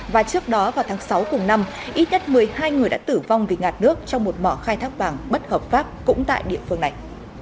và trước đó vào tháng sáu cùng năm ít nhất một mươi hai người đã tử vong vì ngạt nước trong một mỏ khai thác vàng bất hợp pháp cũng tại địa phương này